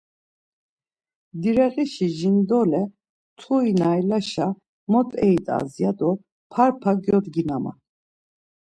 Direğişi jindole mtui naylaşa mot eyit̆as ya do parpa gyodginaman.